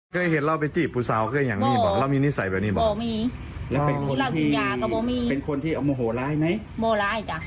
เชื่อยังว่าเขาฆ่านางสาวนั้นหรือหมด